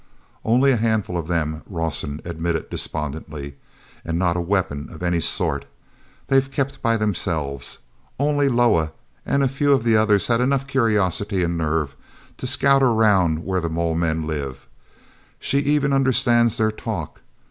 "Only a handful of them," Rawson admitted despondently, "and not a weapon of any sort. They've kept by themselves. Only Loah and a few of the others had enough curiosity and nerve to scout around where the mole men live. She even understands their talk!